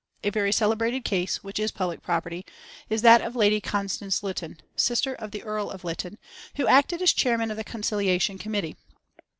A very celebrated case, which is public property, is that of Lady Constance Lytton, sister of the Earl of Lytton, who acted as chairman of the Conciliation Committee.